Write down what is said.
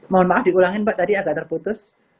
mohon maaf diulangi tadi agak terputus